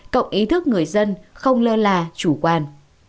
cộng ý thức người dân không lơ là chủ quan